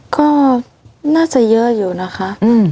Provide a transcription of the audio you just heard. ก็น่าจะเยอะอยู่นะคะ